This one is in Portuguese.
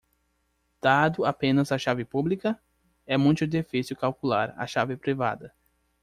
Dado apenas a chave pública?, é muito difícil calcular a chave privada.